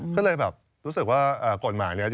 ก็เลยแบบรู้สึกว่ากฎหมายนี้